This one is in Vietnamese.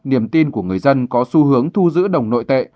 niềm tin của người dân có xu hướng thu giữ đồng nội tệ